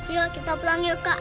yuk kita bilang yuk kak